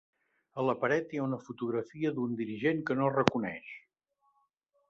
A la paret hi ha una fotografia d'un dirigent que no reconeix.